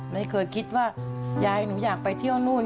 ไม่เคยคิดว่ายายหนูอยากไปเที่ยวนู่น